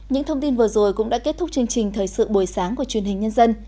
những thông tin vừa rồi cũng đã kết thúc chương trình thời sự buổi sáng của truyền hình nhân dân